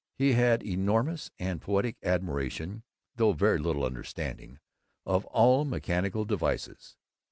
He had enormous and poetic admiration, though very little understanding, of all mechanical devices.